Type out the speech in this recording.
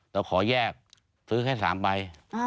เราขอแยกซื้อแค่๓ใบ